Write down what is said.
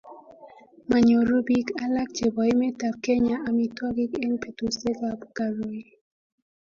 manyoru biik alak chebo emetab Kenya amitwogik eng' betusiekab koroii